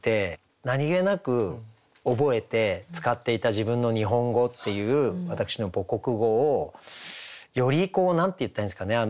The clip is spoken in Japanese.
何気なく覚えて使っていた自分の日本語っていう私の母国語をよりこう何て言ったらいいんですかね